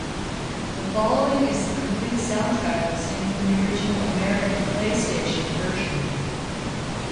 The following is the complete soundtrack listing from the original American PlayStation version.